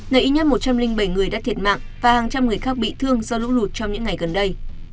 là ít nhất một trăm linh bảy người đã thiệt mạng và hàng trăm người khác bị thương do lũ lụt trong những ngày gần đây